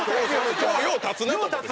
今日よう立つなと思って。